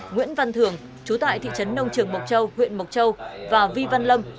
nguyễn văn thường chú tại thị trấn nông trường mộc châu huyện mộc châu và vi văn lâm